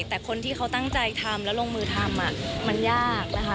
แต่คนที่เขาตั้งใจทำแล้วลงมือทำมันยากนะคะ